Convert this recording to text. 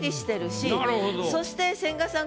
そして千賀さん